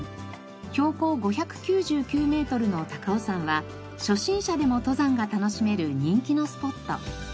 標高５９９メートルの高尾山は初心者でも登山が楽しめる人気のスポット。